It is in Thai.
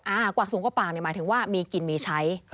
อ่ากวักสูงกว่าปากหมายถึงว่ามีกลิ่นมีใช้